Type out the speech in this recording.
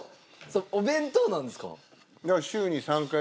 お弁当なんですか？